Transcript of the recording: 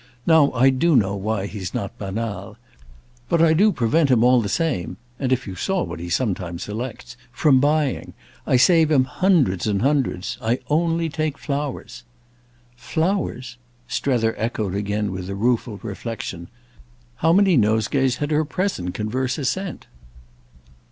"Now I do know why he's not banal. But I do prevent him all the same—and if you saw what he sometimes selects—from buying. I save him hundreds and hundreds. I only take flowers." "Flowers?" Strether echoed again with a rueful reflexion. How many nosegays had her present converser sent?